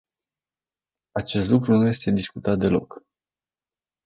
Acest lucru nu este discutat deloc.